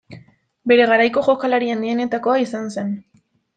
Bere garaiko jokalari handienetakoa izan zen.